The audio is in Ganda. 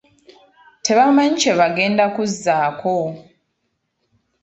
Tebamanyi kye bagenda kuzzaako.